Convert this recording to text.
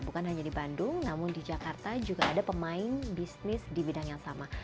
bukan hanya di bandung namun di jakarta juga ada pemain bisnis di bidang yang sama